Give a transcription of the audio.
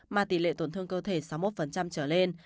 mà tỷ lệ tổn thương cơ thể sáu mươi một trở lên